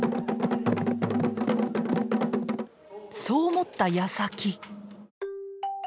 そう思ったやさき。